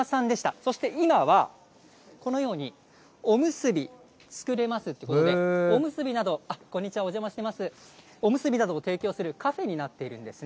そして今はこのように、おむすび作れますってことで、おむすびなど、こんにちは、お邪魔してます、おむすびなども提供するカフェになっているんですね。